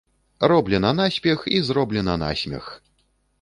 Роблена наспех і зроблена насмех